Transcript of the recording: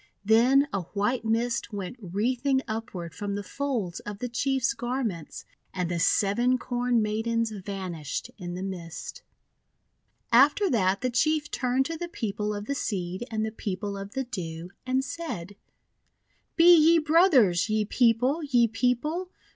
Then a white mist went wreathing upward from the folds of the Chief's garments, and the Seven Corn Maidens vanished in the mist. After that the Chief turned to the People of the Seed and the People of the Dew, and said: — "Be ye brothers, ye People! ye People!